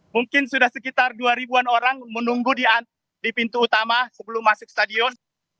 mungkin sudah sekitar dua ribuan orang menunggu di pintu utama sebelum masuk stadion